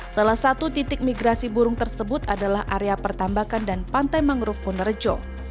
salah satu titik migrasi burung tersebut adalah area pertambakan dan pantai mangrove wonerejo